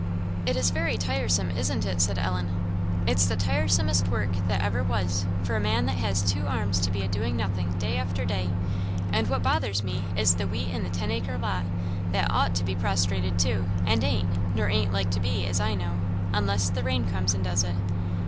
"It is very tiresome, isn't it?" said Ellen. "It's the tiresomest work that ever was, for a man that has two arms to be a doing nothing, day after day. And what bothers me is the wheat in the ten acre lot, that ought to be prostrated too, and ain't, nor ain't like to be, as I know, unless the rain comes and does it.